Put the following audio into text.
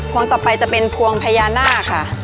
วงต่อไปจะเป็นพวงพญานาคค่ะ